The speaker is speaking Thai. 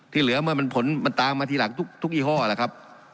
ที่เหลือมันตามมาที่หลักทุกยี่ห้อแล้วครับ